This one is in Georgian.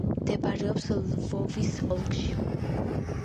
მდებარეობს ლვოვის ოლქში.